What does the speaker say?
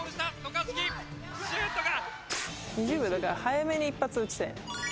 ２０秒だから早めに一発打ちたいね。